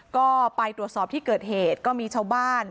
ก็ไปตรวจสอบที่เกิดเหตุก็มีชาวบ้าน